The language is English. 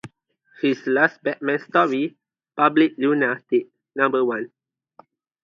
His last Batman story, Public Luna-Tic Number One!